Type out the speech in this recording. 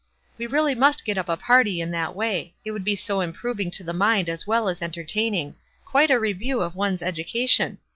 We really must get up a party in that way ; it would be so improving to the mind as well as entertaining — quite a review of one's education.